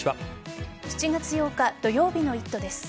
７月８日土曜日の「イット！」です。